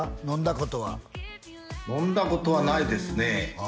飲んだことは飲んだことはないですね